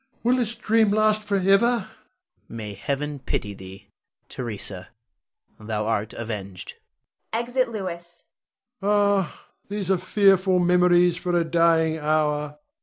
Will this dream last forever? Louis. May Heaven pity thee! Theresa, thou art avenged. [Exit Louis. Rod. Ah, these are fearful memories for a dying hour!